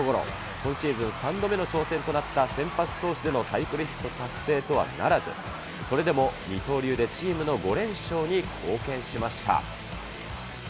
今シーズン３度目の挑戦となった先発投手でのサイクルヒット達成とはならず、それでも二刀流でチームの５連勝に貢献しました。